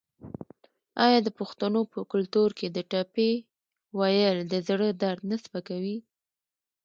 آیا د پښتنو په کلتور کې د ټپې ویل د زړه درد نه سپکوي؟